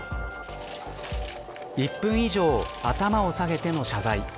１分以上頭を下げての謝罪。